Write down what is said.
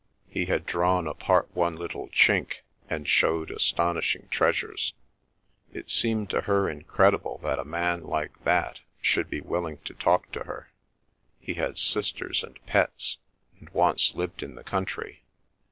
He had drawn apart one little chink and showed astonishing treasures. It seemed to her incredible that a man like that should be willing to talk to her. He had sisters and pets, and once lived in the country.